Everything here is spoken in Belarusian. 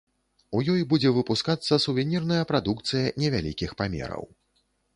У ёй будзе выпускацца сувенірная прадукцыя невялікіх памераў.